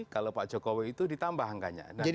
kalau pak jokowi itu ditambah angkanya